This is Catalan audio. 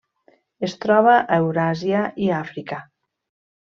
Es troba a Euràsia i Àfrica.